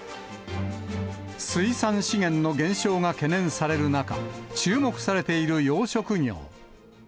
水産資源の減少が懸念される中、注目されている養殖業。